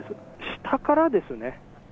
下からですね。